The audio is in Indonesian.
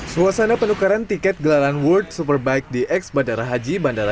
suasana penukaran tiket gelaran world superbike di ex bandara haji bandara